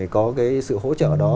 có sự hỗ trợ đó